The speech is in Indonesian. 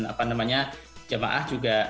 apa namanya jemaah juga